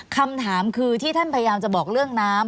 คำถามคือที่ท่านพยายามจะบอกเรื่องน้ำ